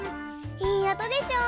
いいおとでしょ？